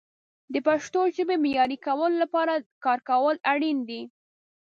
د پښتو ژبې معیاري کولو لپاره کار کول اړین دي.